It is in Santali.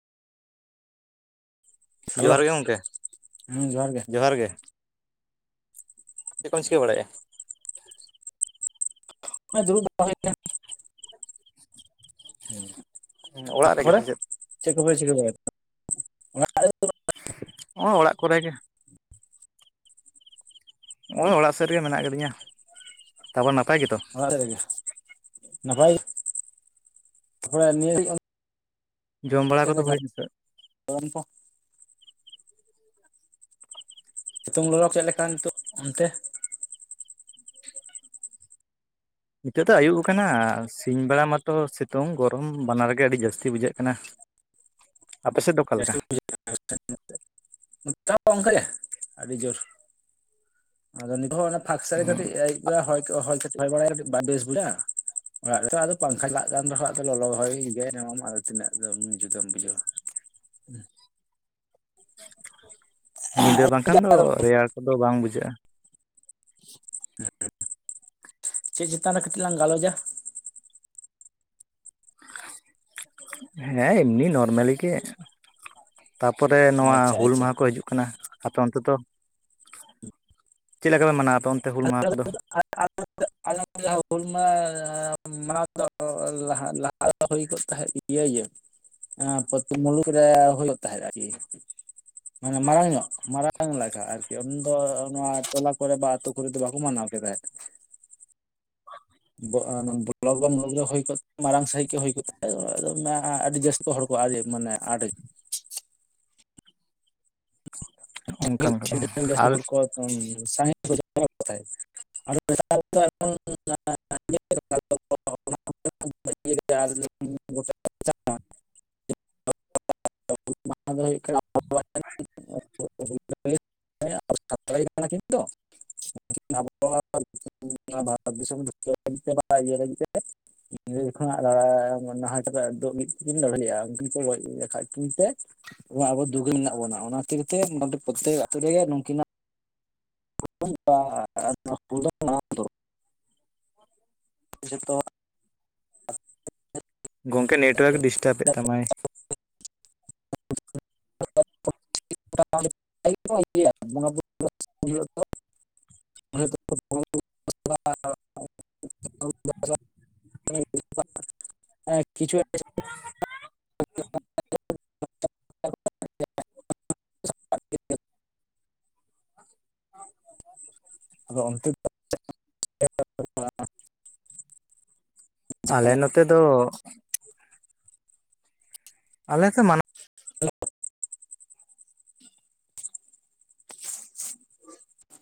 ᱦᱮᱞᱳ ᱡᱚᱦᱟᱨ ᱜᱮ ᱜᱚᱢᱠᱮ ᱡᱚᱦᱟᱨ ᱜᱮ ᱪᱮᱫ ᱠᱚᱢ ᱪᱤᱠᱟᱹ ᱵᱟᱲᱟᱭᱮᱜ-ᱟ ᱦᱚᱜ-ᱚᱭ ᱫᱩᱲᱩᱰ ᱵᱟᱲ ᱦᱩᱭ ᱠᱟᱱᱟ ᱚᱲᱟᱜ ᱨᱮᱜᱮ ᱛᱟᱯᱚᱨᱮ ᱥᱮ ᱪᱮᱫ ᱪᱮᱠ ᱠᱚᱯᱮ ᱪᱮᱠᱟ ᱵᱟᱨᱟ ᱦᱚᱜ-ᱚᱭ ᱚᱲᱟᱜ ᱠᱚᱨᱮ ᱜᱮ ᱱᱚᱜ-ᱚᱭ ᱚᱲᱟᱜ ᱥᱮᱫ ᱨᱮᱜᱮ ᱢᱮᱱᱟᱜ ᱠᱟᱫᱤᱧᱟ ᱛᱟᱯᱚᱨ ᱱᱟᱯᱟᱭ ᱜᱮᱛᱚ ᱱᱟᱯᱟᱭ ᱛᱮ ᱱᱤᱭᱟᱹ [inaudible] ᱡᱚᱢ ᱵᱟᱲᱟ ᱠᱚᱫᱚ ᱦᱩᱭ ᱱᱟᱥᱮ ᱚᱱᱠᱚ ᱥᱤᱛᱩᱝ ᱞᱚᱞᱚ ᱪᱮᱫ ᱞᱮᱠᱟ ᱱᱤᱛᱚᱜ ᱚᱱᱛᱮ? ᱱᱤᱛᱚᱜ ᱫᱚ ᱟᱹᱭᱩᱵ ᱟᱠᱟᱱᱟ ᱥᱤᱧ ᱵᱮᱲᱟ ᱢᱟᱛᱚ ᱥᱤᱛᱩᱝ ᱜᱚᱨᱚᱢ ᱵᱟᱱᱟᱨ ᱜᱮ ᱟᱹᱰᱤ ᱡᱟᱹᱥᱛᱤ ᱵᱩᱡᱷᱟᱹᱜ ᱠᱟᱱᱟ ᱾ ᱟᱯᱮ ᱥᱮᱫ ᱫᱚ ᱚᱠᱟ ᱞᱮᱠᱟ? ᱡᱟᱹᱥᱛᱤ ᱱᱚᱛᱮ ᱚᱱᱠᱟ ᱟᱹᱰᱤ ᱡᱩᱨ ᱟᱫᱚ ᱱᱤᱛᱚᱜ ᱦᱚᱸ ᱚᱱᱮ ᱯᱷᱟᱠ ᱥᱮᱫ ᱨᱮ ᱠᱟᱴᱤᱡ ᱟᱭᱩᱵ ᱵᱮᱲᱟ ᱦᱚᱭ ᱦᱚᱭ ᱵᱟᱲᱟ ᱨᱮ ᱵᱷᱟᱞᱮ ᱵᱩᱡᱷᱟᱜ - ᱟ ᱾ ᱚᱲᱟᱜ ᱨᱮ ᱟᱫᱚ ᱯᱟᱝᱠᱷᱟ ᱪᱟᱞᱟᱜ ᱠᱟᱱ ᱨᱮᱦᱚᱸ ᱟᱫᱚ ᱞᱚᱞᱚ ᱦᱚᱭ ᱮᱢᱟᱢ ᱟᱫᱚ ᱛᱤᱱᱟᱹᱜ ᱫᱚ ᱡᱩᱫᱢ ᱵᱩᱡᱷᱟᱹᱣᱟ ᱾ ᱧᱤᱫᱟᱹ ᱵᱟᱝᱠᱷᱟᱱ ᱫᱚ ᱨᱮᱭᱟᱲ ᱠᱚᱫᱚ ᱵᱟᱝ ᱵᱩᱡᱷᱟᱹᱜ-ᱟ ᱪᱮᱫ ᱪᱮᱛᱟᱱ ᱨᱮ ᱠᱟᱹᱴᱤᱡ ᱞᱟᱝ ᱜᱟᱞᱚᱪᱟ? ᱦᱮᱸ ᱮᱢᱱᱤ ᱱᱚᱨᱢᱟᱞᱤ ᱜᱮ ᱾ ᱛᱟᱯᱚᱨᱮ ᱱᱚᱣᱟ ᱟᱪᱪᱷᱟ ᱦᱩᱞ ᱟᱪᱪᱷᱟ ᱢᱟᱦᱟ ᱠᱚ ᱦᱤᱡᱩᱜ ᱠᱟᱱᱟ ᱾ ᱟᱯᱮ ᱚᱱᱛᱮ ᱫᱚ ᱪᱮᱫ ᱞᱮᱠᱟ ᱯᱮ ᱢᱟᱱᱟᱣ? ᱚᱱᱛᱮ ᱦᱩᱞ [inaudible] ᱢᱟᱦᱟ ᱠᱚᱫᱚ ᱟᱞᱮ ᱡᱟᱦᱟᱸ ᱦᱩᱞ ᱢᱟᱦᱟ ᱢᱟᱱᱟᱣ ᱫᱚ ᱞᱟᱦᱟ ᱞᱟᱦᱟ ᱟᱞᱟᱣ ᱦᱩᱭ ᱠᱚᱜ ᱛᱟᱦᱮᱸᱫ.. ᱮ... ᱟᱭ ᱮᱢ [inaudible] ᱦᱮᱸ ᱯᱚᱛᱤ ᱢᱩᱞᱩᱜ ᱨᱮ ᱦᱩᱭᱩᱜ ᱛᱟᱦᱮᱸᱫ ᱢᱟᱱᱮ ᱢᱟᱨᱟᱝ ᱧᱚᱜ ᱢᱟᱨᱟᱝ ᱞᱮᱠᱟ ᱟᱨᱠᱤ ᱩᱱ ᱫᱚ ᱱᱚᱣᱟ ᱴᱚᱞᱟ ᱠᱚᱨᱮ ᱵᱟ ᱟᱹᱛᱩ ᱠᱷᱚ ᱫᱚ ᱵᱟᱠᱚ ᱢᱟᱱᱟᱣ ᱠᱮᱫᱟᱭ᱾ ᱵ [inaudible] ᱵᱞᱚᱠ ᱦᱩᱭ ᱠᱚ ᱢᱟᱨᱟᱝ ᱥᱟᱹᱦᱤᱡ ᱮ ᱦᱩᱭ ᱠᱚᱜ ᱟᱹᱰᱤ ᱡᱟᱹᱥᱛᱤ ᱦᱚᱲ ᱠᱚ ᱟᱞᱮ ᱢᱟᱱᱮ ᱟᱴ ᱚᱱᱠᱟᱱ ᱠᱟᱱᱟ ᱡᱟᱹᱥᱛᱤ ᱟᱨ ᱦᱚᱲ ᱠᱚ [inaudible] [unintelligible] [inaudible] ᱫᱚ ᱦᱩᱭᱩᱜ ᱠᱟᱱᱟ [unintelligible] [inaudible] ᱛᱟᱲ ᱠᱟᱱᱟ ᱠᱤᱱ ᱛᱚ [unintelligible] ᱵᱷᱟᱨᱚᱛ ᱫᱤᱥᱚᱢ ᱵᱟᱜᱤᱭᱟᱹ ᱞᱟᱜᱤᱫ [unintelligible] ᱧᱤᱫᱟᱹ ᱡᱚᱜᱷᱚᱱᱟᱜ ᱫᱟᱜ ᱢᱳᱱᱮ ᱦᱚᱭ ᱞᱟᱹᱲᱦᱟᱭᱟᱜᱼᱟ ᱩᱱᱠᱤᱱ ᱠᱚ ᱜᱚᱡ ᱠᱟᱜ ᱠᱤᱱ ᱛᱮ᱾ ᱟᱵᱚ ᱫᱩᱜᱽ ᱨᱮ ᱢᱮᱱᱟᱜ ᱵᱚᱱᱟ ᱚᱱᱟ ᱠᱷᱟᱹᱛᱤᱨ ᱛᱮ ᱯᱨᱚᱛᱛᱮᱠ ᱟᱹᱛᱩ ᱨᱮᱜᱮ ᱱᱩᱠᱤᱱᱟᱜ [unintelligible] [inaudible] ᱡᱷᱚᱛᱚ [inaudible] ᱜᱚᱝᱠᱮ ᱱᱮᱴᱣᱟ. ᱨᱠ ᱰᱤᱥᱴᱟᱵ ᱮᱫ ᱛᱟᱢᱟᱭ ᱾ ᱵᱚᱸᱜᱟ ᱦᱩᱭᱩᱜ [unintelligible] [unintelligible] [unintelligible] [inaudible] ᱟ [inaudible] [inaudible] ᱟᱫᱚ ᱚᱱᱛᱮ ᱫᱚ [inaudible] ᱟᱞᱮ ᱱᱚᱛᱮ ᱫᱚ ᱟᱞᱮ ᱥᱮᱱ ᱢᱟᱱᱟᱣ ᱦᱟ. ᱞᱚ᱾